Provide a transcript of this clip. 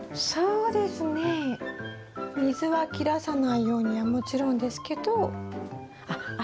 そうですね水は切らさないようにはもちろんですけどあっ